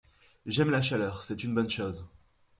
J’aime la chaleur, c’est une bonne chose.